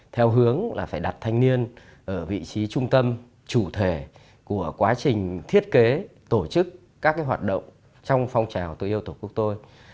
theo hướng là phải đặt thanh niên ở vị trí trung tâm chủ thể của quá trình thiết kế tổ chức các hoạt động trong phong trào tôi yêu tổ quốc tôi